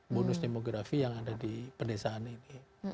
bonus demografi yang ada di pedesaan ini